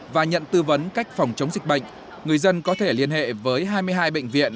và nhận tư vấn cách phòng chống dịch bệnh người dân có thể liên hệ với hai mươi hai bệnh viện